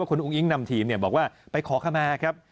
คุณอุ้งอิงนำทีมบอกว่าไปขอขมาครับ